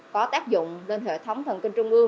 có tác dụng lên hệ thống thần kinh trung ương